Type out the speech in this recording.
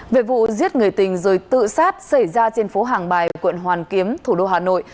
về vụ giết người tình rồi tự sát xảy ra trên phố hàng bài quận hoàn kiếm thủ đô hà nội